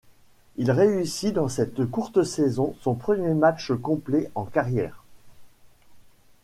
Il réussit dans cette courte saison son premier match complet en carrière.